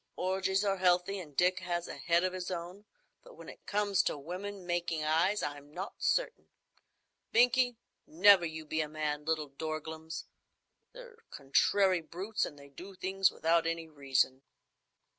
"Orgies are healthy, and Dick has a head of his own, but when it comes to women making eyes I'm not so certain,—Binkie, never you be a man, little dorglums. They're contrary brutes, and they do things without any reason."